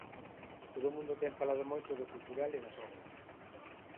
Todo o mundo ten falado moito do cultural e das obras.